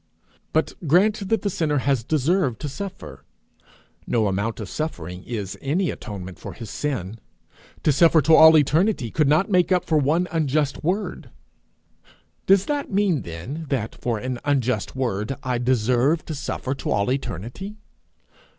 But grant that the sinner has deserved to suffer, no amount of suffering is any atonement for his sin. To suffer to all eternity could not make up for one unjust word. Does that mean, then, that for an unjust word I deserve to suffer to all eternity?